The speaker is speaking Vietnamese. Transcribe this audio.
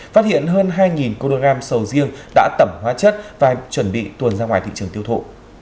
phát hiện hơn hai kg sầu riêng đã tẩm hóa chất và chuẩn bị tuồn ra ngoài thị trường tiêu thụ